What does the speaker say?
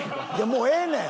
もうええねん！